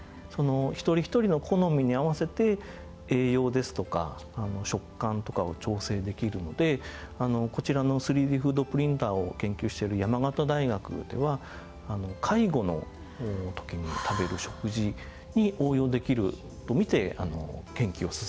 一人一人の好みに合わせて栄養ですとか食感とかを調整できるのでこちらの３Ｄフードプリンターを研究してる山形大学では介護の時に食べる食事に応用できるとみて研究を進めています。